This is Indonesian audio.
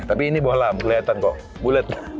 tapi ini bolam kelihatan kok bulet